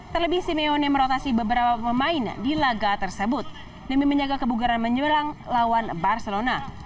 terlebih simeone merotasi beberapa pemain di laga tersebut demi menjaga kebugaran menjelang lawan barcelona